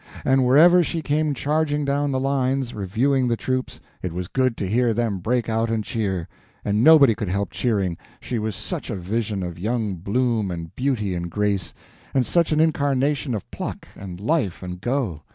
And wherever she came charging down the lines, reviewing the troops, it was good to hear them break out and cheer. And nobody could help cheering, she was such a vision of young bloom and beauty and grace, and such an incarnation of pluck and life and go!